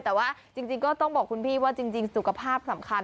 แต่ว่าจริงก็ต้องบอกคุณพี่ว่าจริงสุขภาพสำคัญ